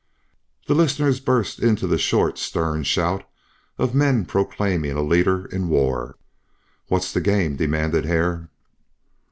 The listeners burst into the short stern shout of men proclaiming a leader in war. "What's the game?" demanded Hare.